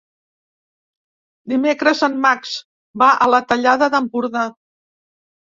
Dimecres en Max va a la Tallada d'Empordà.